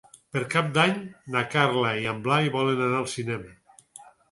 Per Cap d'Any na Carla i en Blai volen anar al cinema.